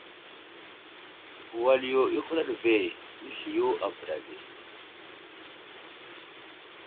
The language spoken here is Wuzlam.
Wal yo i huraɗ ve, nəsliyo a bəra ge.